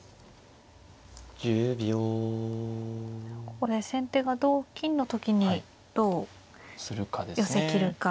ここで先手が同金の時にどう寄せきるか。